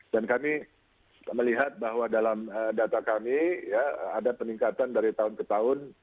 dan kami melihat bahwa dalam data kami ya ada peningkatan dari tahun ke tahun